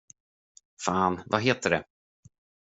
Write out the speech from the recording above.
Fan, vad heter det?